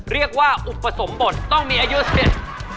เรียกว่าอุปสมบทต้องมีอายุเสร็จ